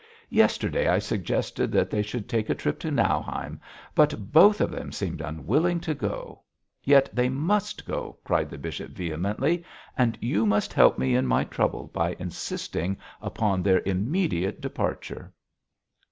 Yesterday I suggested that they should take a trip to Nauheim, but both of them seemed unwilling to go. Yet they must go!' cried the bishop, vehemently; 'and you must help me in my trouble by insisting upon their immediate departure.'